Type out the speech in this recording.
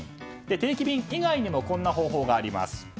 定期便以外にもこんな方法があります。